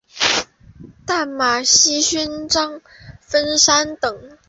淡马锡勋章分三等。